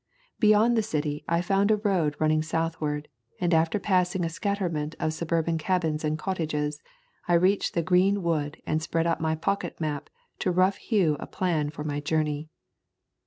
Beyond the city I found a road running southward, and after passing a scatterment of suburban cabins and cottages I reached the green woods and spread out my pocket map to rough hew a plan for my journey.